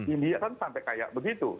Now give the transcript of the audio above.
india kan sampai kayak begitu